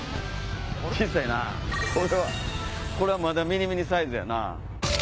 小さいなこれはまだミニミニサイズやな。